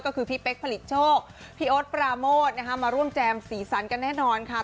ก็คือพี่เป๊กผลิตโชคพี่โอ๊ตปราโมทนะคะมาร่วมแจมสีสันกันแน่นอนค่ะ